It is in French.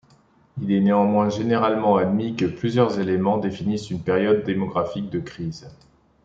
Il est néanmoins généralement admis que plusieurs éléments définissent une période démographique de crise.